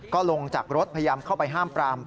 ก็ลงจากรถพยายามเข้าไปห้ามปราม